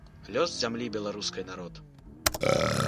Лёс зямлі беларускай народ.